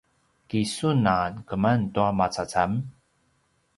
ki sun a keman tua macacam?